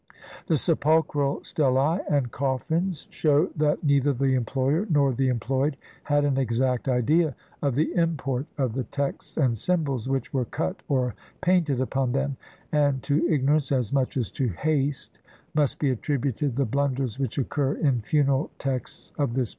The sepulchral stelae and coffins shew that neither the employer nor the employed had an exact idea of the import of the texts and symbols which were cut or painted upon them, and to ignorance as much as to haste must be attributed the blunders which occur in funeral texts of this period.